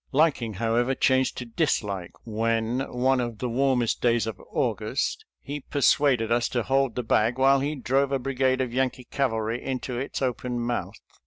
Liking, however, changed to dislike 254 SOLDIER'S LETTERS TO CHARMING NELLIE when, one of the warmest days of August, he persuaded us to hold the bag while he drove a brigade of Yankee cavalry into its open mouth.